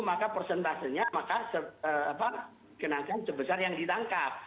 maka persentasenya maka kenaikan sebesar yang ditangkap